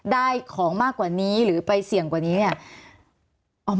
ได้ของมากกว่านี้หรือไปเสี่ยงกว่านี้เนี่ย